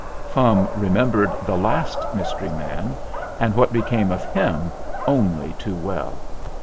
Fum remembered the last mys tery man and what became of him only too well.